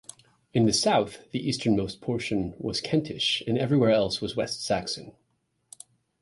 In the south, the easternmost portion was Kentish and everywhere else was West Saxon.